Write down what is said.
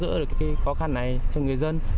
giữ được cái khó khăn này cho người dân